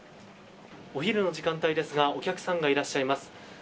お昼の時間帯ですがお客さんがいらっしゃいます。